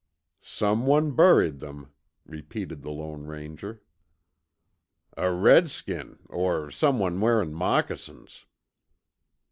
"Someone buried them," repeated the Lone Ranger. "A redskin, or someone wearin' moccasins."